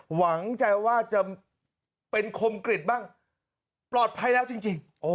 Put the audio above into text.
หวังใจว่าจะเป็นคมกริจบ้างปลอดภัยแล้วจริง